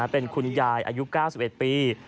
เป็นคุณยายอายุ๙๑ปี